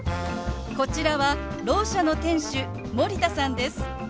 こちらはろう者の店主森田さんです。